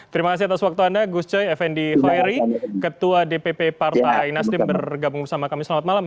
terima kasih atas waktu anda gus coy effendi hoeri ketua dpp partai nasdem bergabung bersama kami selamat malam